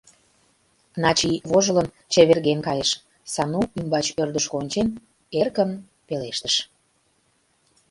Начи, вожылын, чеверген кайыш, Сану ӱмбач ӧрдыжкӧ ончен, эркын пелештыш: